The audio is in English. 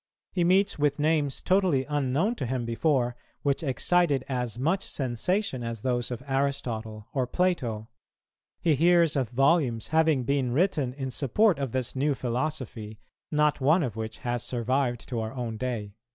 He meets with names totally unknown to him before, which excited as much sensation as those of Aristotle or Plato. He hears of volumes having been written in support of this new philosophy, not one of which has survived to our own day."